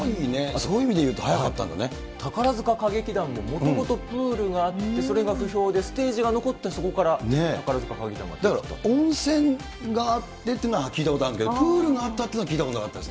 そういう意味でいうとはやかった宝塚歌劇団ももともとプールがあって、それが不評でステージが残ってそこから宝塚歌劇団が出だから、温泉があってっていうのは聞いたことあるんだけど、プールがあったっていうのは聞い